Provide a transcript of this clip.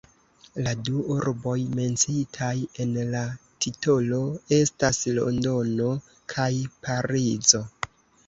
La du urboj menciitaj en la titolo estas Londono kaj Parizo.